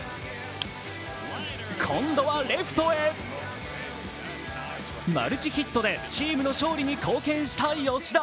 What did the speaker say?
今度はレフトへ、マルチヒットでチームの勝利に貢献した吉田。